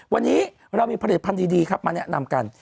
วันนี้เรามีผลิตภัณฑ์ดีครับมาแนะนำกัน